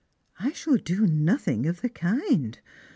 " I shall do nothing of the kind.